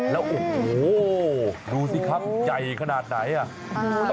แล้วโอ้โหดูสิครับใหญ่ขนาดไหนอ่ะ